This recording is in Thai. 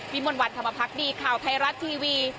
วิมวันวันธรรมพักษ์ดีข่าวไทยรัฐทีวี